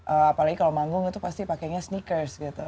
apalagi kalau manggung itu pasti pakainya sneakers gitu